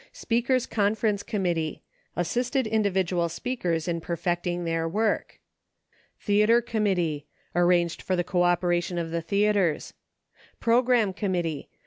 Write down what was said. Speakers Conference Committee. Assisted individual speakers in perfecting their work. Theatre Committee. Arranged for the co operation of the theatres. Program Committee.